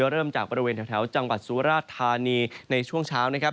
เริ่มจากบริเวณแถวจังหวัดสุราชธานีในช่วงเช้านะครับ